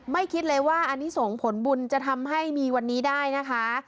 คิดเลยว่าอันนี้ส่งผลบุญจะทำให้มีวันนี้ได้นะคะ